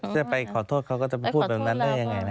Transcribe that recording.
จะไปขอโทษเขาก็จะพูดแบบนั้นได้ยังไงนะ